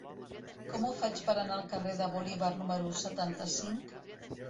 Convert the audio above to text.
Com ho faig per anar al carrer de Bolívar número setanta-cinc?